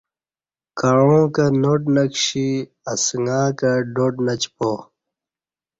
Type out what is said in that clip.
کعںݩکہ ناٹ نہ کشی اسݣہ کہ ڈاڈ نہ چپا